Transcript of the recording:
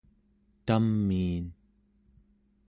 tamiin